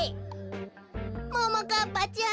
ももかっぱちゃん